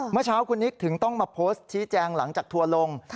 เมื่อเช้าคุณนิกถึงต้องมาโพสต์ชี้แจงหลังจากทัวร์ลง